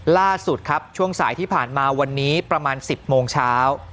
ล่าสุดครับช่วงสายที่ผ่านมาวันนี้ประมาณ๑๐โมงเช้า